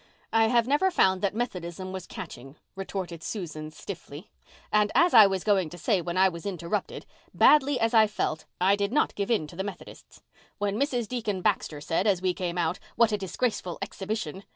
"I have never found that Methodism was catching," retorted Susan stiffly. "And, as I was going to say when I was interrupted, badly as I felt, I did not give in to the Methodists. When Mrs. Deacon Baxter said, as we came out, 'What a disgraceful exhibition!